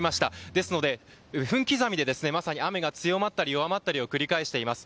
ですので分刻みでまさに雨が強まったり弱まったりを繰り返しています。